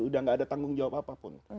udah gak ada tanggung jawab apapun